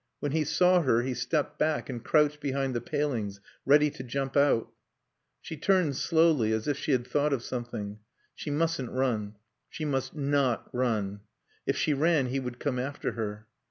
When he saw her he stepped back and crouched behind the palings, ready to jump out. She turned slowly, as if she had thought of something. She mustn't run. She must not run. If she ran he would come after her.